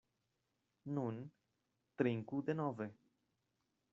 Nun, trinku denove.